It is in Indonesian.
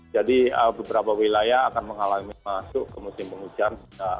jadi beberapa wilayah akan mengalami masuk ke musim penghujan